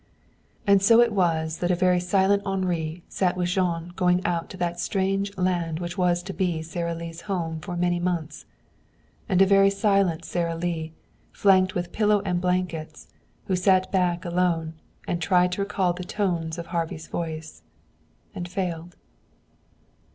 And so it was that a very silent Henri sat with Jean going out to that strange land which was to be Sara Lee's home for many months. And a very silent Sara Lee, flanked with pillow and blankets, who sat back alone and tried to recall the tones of Harvey's voice. And failed.